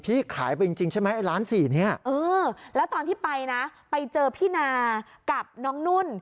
พี่ขายไปจริงนะไอ้ร้านซีแล้วตอนที่ไปนะไปเจอพี่นากับน้องนุ่น